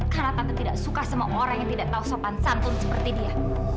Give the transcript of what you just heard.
karena tante tidak suka sama orang yang tidak tahu sopan santun seperti dia